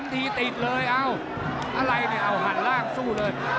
๓ทีติดเลยอะไรนี่หันล่างสู้เลย